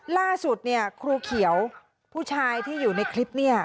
ล่าสุดครูเขียวผู้ชายที่อยู่ในคลิปนี้